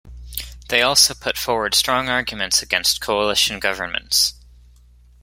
They also put forward strong arguments against coalition governments.